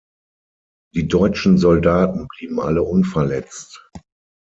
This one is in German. Die deutschen Soldaten blieben alle unverletzt.